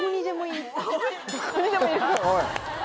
どこにでもいる。